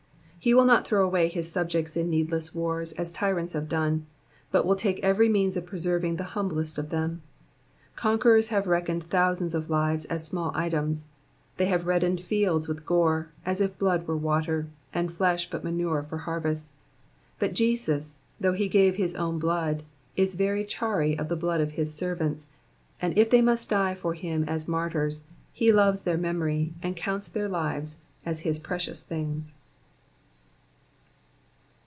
''^ He will not throw away his subjects in needless wars as tyrants have done, but will take every means for preserving the humblest of them. Conquerors have reckoned thousands of lives fis small items ; they have reddened fields with gore, as if blood were water, and flesh but manure for harvests ; but Jesus, though he gave his own blood, is very chary of the blood of his servants, and if they must die for him as martyrs, he loves their memory, and counts their lives as his precious things.